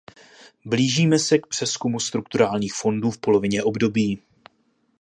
Blížíme se přezkumu strukturálních fondů v polovině období.